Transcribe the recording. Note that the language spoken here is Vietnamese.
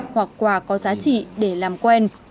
hoặc quà có giá trị để làm quen